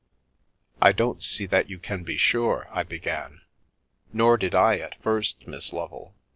" I don't see that you can be sure/ 9 1 began. "Nor did I at first, Miss Lovel.